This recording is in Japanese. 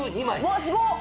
うわっすごっ！